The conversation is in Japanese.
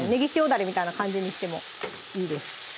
だれみたいな感じにしてもいいです